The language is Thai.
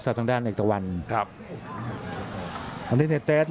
สาวทางด้านอีกตัววันครับเดี๋ยวเตรียมเตรียมเตรียมนี่